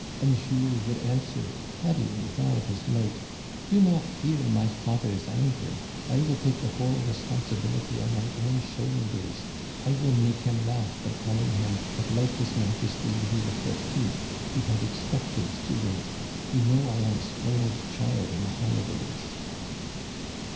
And Jules would answer, pad dling with all his might, * Do not fear my father's anger. I will take the whole responsibility on my own shoul ders. I will make him laugh by telling him that, like His Majesty Louis XIV, he had expected to wait. You know I am a spoiled child in the holidays.'